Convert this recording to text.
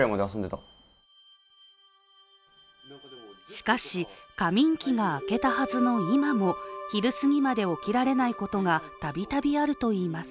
しかし、過眠期が明けたはずの今も昼過ぎまで起きられないことが度々あるといいます。